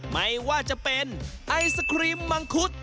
ไม่ว่าจะเป็นไอศครีมมังคุด